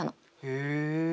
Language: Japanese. へえ。